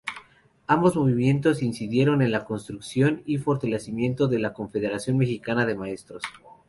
Ambos movimientos incidieron en la construcción y fortalecimiento de la Confederación Mexicana de Maestros.